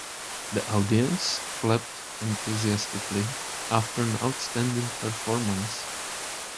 The audience clapped enthusiastically after an outstanding performance.